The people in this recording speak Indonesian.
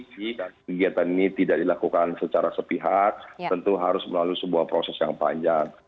dan kegiatan ini tidak dilakukan secara sepihak tentu harus melalui sebuah proses yang panjang